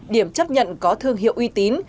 điểm chấp nhận có thương hiệu uy tín